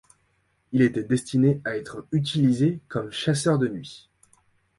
Il était destiné à être utilisé comme chasseur de nuit.